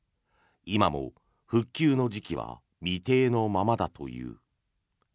今も復旧の時期は未定のままだという。